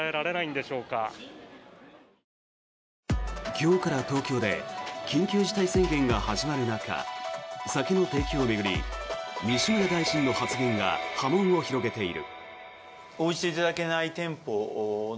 今日から東京で緊急事態宣言が始まる中酒の提供を巡り西村大臣の発言が波紋を広げている。